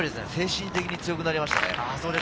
精神的に強くなりました。